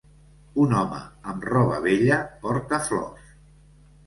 Un home amb roba vella porta flors